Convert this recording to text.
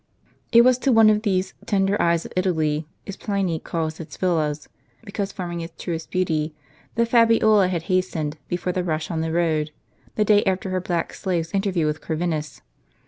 It was to one of these " tender eyes of Italy," as Pliny calls its villas,* because forming its truest beauty, that Fabiola had hastened, before the rush on the road, the day after her black slave's interview with Corvinus.